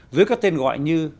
dưới các tên gọi như